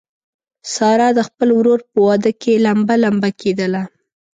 ساره د خپل ورور په واده کې لمبه لمبه کېدله.